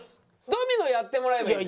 ドミノやってもらえばいい。